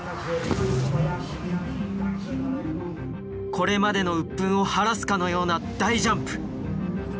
これまでの鬱憤を晴らすかのような大ジャンプ。